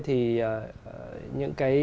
thì những cái